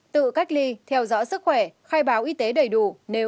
tự cách ly theo dõi sức khỏe khai báo y tế đầy đủ